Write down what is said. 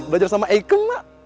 bajar sama eiko mbak